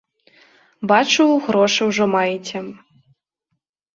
Бачу, грошы ўжо маеце.